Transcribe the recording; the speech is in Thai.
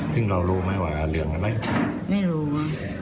แล้วเรารู้ไหมว่าเหลืองอะไรไม่รู้อะ